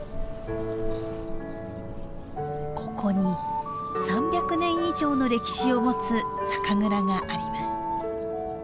ここに３００年以上の歴史を持つ酒蔵があります。